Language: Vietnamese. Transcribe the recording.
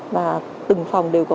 và từng phòng đều có